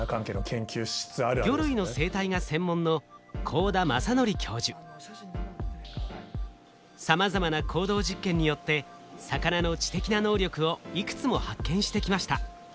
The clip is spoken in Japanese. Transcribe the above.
魚類の生態が専門のさまざまな行動実験によって魚の知的な能力をいくつも発見してきました。